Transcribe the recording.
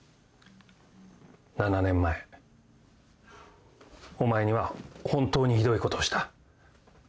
７年前お前には本当にひどいことをした。